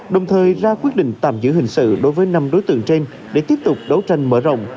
đồng thời ra quyết định tạm giữ hình sự đối với năm đối tượng trên để tiếp tục đấu tranh mở rộng